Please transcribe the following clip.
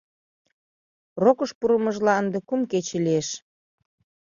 Рокыш пурымыжлан ынде кум кече лиеш.